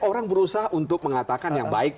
orang berusaha untuk mengatakan yang baik